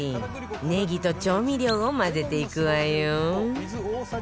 ねぎと調味料を混ぜていくわよ